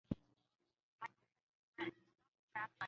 是北美洲最常见的兔。